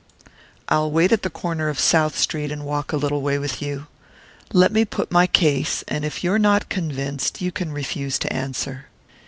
"I'll wait at the corner of South Street and walk a little way with you. Let me put my case, and if you're not convinced you can refuse to answer."